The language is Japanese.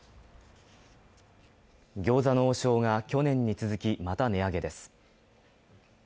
餃子の王将が去年に続きまた値上げです。